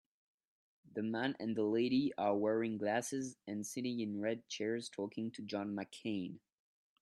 The man and the lady are wearing glasses and sitting in red chairs talking to John McCain